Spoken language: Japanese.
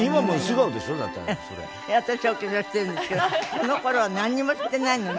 私お化粧してるんですけどこのころ何にもしてないのね。